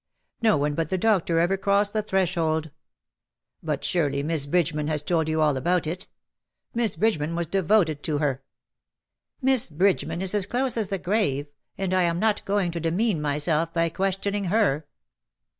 No one but the doctor ever crossed the threshold. But surely Miss Bridgeman has told you all about it. Miss Bridgeman was devoted to her." ^^ Miss Bridgeman is as close as the grave ; and I am not going to demean myself by questioning her.''